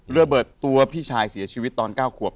ระเบิดตัวพี่ชายเสียชีวิตตอน๙ขวบ